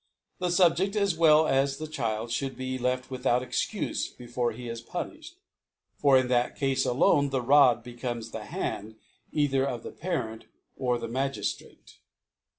The Subjeft, as well as the Child, {hould be left without Excufe before he i^ punilhed.: for, in that Cafe alone,, the Rod becomes the Hand either of the Parent or the Magiftrate.